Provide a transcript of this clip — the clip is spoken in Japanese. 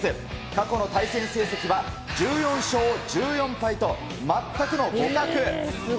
過去の対戦成績は１４勝１４敗と、全くの互角。